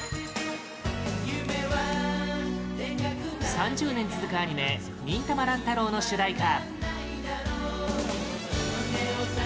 ３０年続くアニメ「忍たま乱太郎」の主題歌